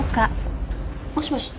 もしもし。